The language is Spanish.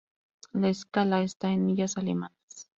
La escala está en millas alemanas.